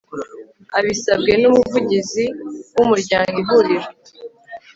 abisabwe n umuvugizi w umuryango ihuriro